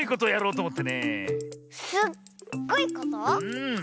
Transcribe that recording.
うん。